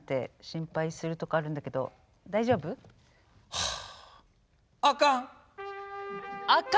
はあ。